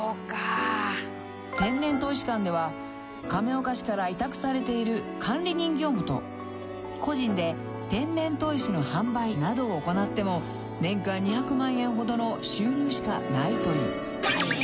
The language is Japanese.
［天然砥石館では亀岡市から委託されている管理人業務と個人で天然砥石の販売などを行っても年間２００万円ほどの収入しかないという］